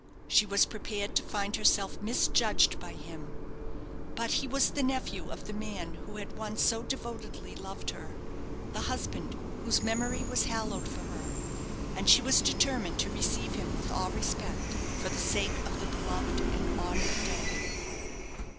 She was prepared to find herself misjudged by him. But he was the nephew of the man who had once so devotedly loved her; the husband whose memory was hallowed for her; and she was determined to receive him with all respect, for the sake of the beloved and honoured dead.